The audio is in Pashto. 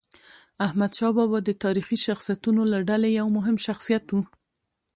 احمدشاه بابا د تاریخي شخصیتونو له ډلې یو مهم شخصیت و.